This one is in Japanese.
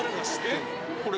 これ。